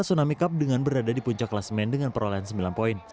tsunami cup dengan berada di puncak kelas men dengan perolehan sembilan poin